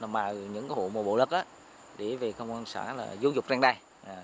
mà những hộ mùa bộ lực để về công an xã là dũ dục răng đai